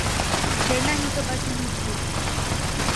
چھیڑنا ہی تو بس نہیں چھو بھی